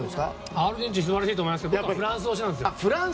アルゼンチン素晴らしいと思いますけどフランス推しなんですよ。